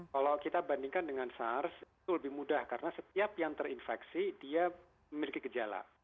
kalau kita bandingkan dengan sars itu lebih mudah karena setiap yang terinfeksi dia memiliki gejala